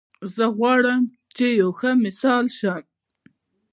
زه غواړم چې یو ښه مثال شم